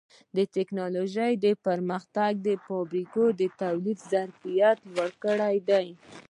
د ټکنالوجۍ پرمختګ د فابریکو د تولید ظرفیت لوړ کړی دی.